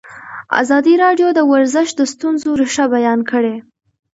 ازادي راډیو د ورزش د ستونزو رېښه بیان کړې.